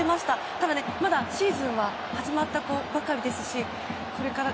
ただ、まだシーズンは始まったばかりですしこれから。